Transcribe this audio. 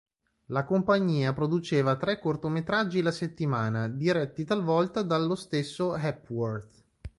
La compagnia produceva tre cortometraggi la settimana, diretti talvolta dallo stesso Hepworth.